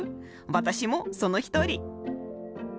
私もその一人。